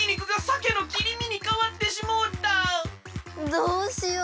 どうしよう！